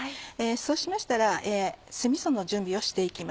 そうしましたら酢みその準備をして行きます。